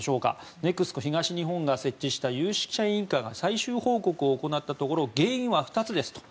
ＮＥＸＣＯ東日本が設置した有識者委員会が最終報告を行ったところ原因は２つですと。